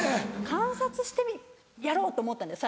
観察してやろうと思ったんです